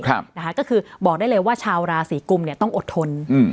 ครับนะคะก็คือบอกได้เลยว่าชาวราศรีกลุ่มเนี้ยต้องอดทนอืม